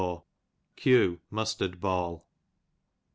q. mustard ball.